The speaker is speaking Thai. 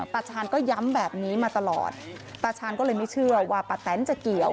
ตาชาญก็ย้ำแบบนี้มาตลอดตาชาญก็เลยไม่เชื่อว่าป้าแตนจะเกี่ยว